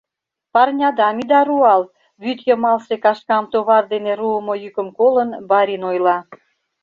— Парнядам ида руал! — вӱд йымалсе кашкам товар дене руымо йӱкым колын, барин ойла.